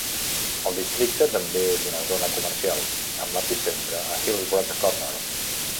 El districte també és una zona comercial, amb l'epicentre a Hillsborough Corner.